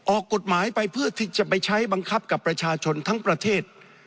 ออกกฎหมายไปเพื่อที่จะไปใช้บังคับกับประชาชนทั้งประเทศ